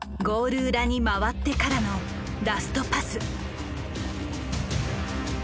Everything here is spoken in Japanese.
ゴール裏に回ってからのラストパス。